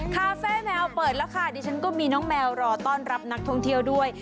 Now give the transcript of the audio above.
คาเฟ่แมวเปิดแล้วค่ะดิฉันก็มีน้องแมวรอต้อนรับนักท่องเที่ยวด้วย